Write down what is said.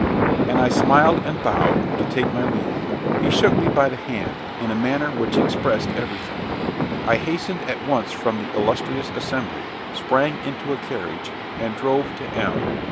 And I smiled and bowed, to take my leave. He shook me by the hand, in a manner which expressed everything. I hastened at once from the illustrious assembly, sprang into a carriage, and drove to M